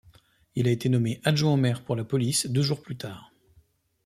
Il a été nommé adjoint au maire pour la Police deux jours plus tard.